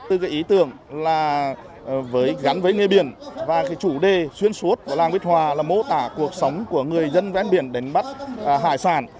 từ ý tưởng gắn với nghề biển và chủ đề xuyên suốt của làng biển là mô tả cuộc sống của người dân vét biển đến bắt hải sản